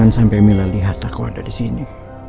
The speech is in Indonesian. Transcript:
jangan sampai mila lihat aku ada di sini